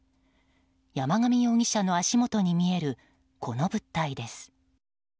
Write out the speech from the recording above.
山上容疑者の足元に見えるこの物体です。